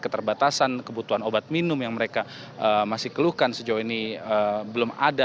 keterbatasan kebutuhan obat minum yang mereka masih keluhkan sejauh ini belum ada